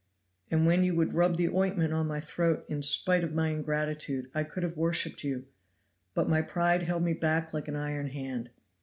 And when you would rub the ointment on my throat in spite of my ingratitude, I could have worshipped you; but my pride held me back like an iron hand.